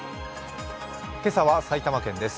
今朝は埼玉県です。